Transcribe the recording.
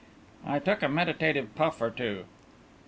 I took a meditative puff or two.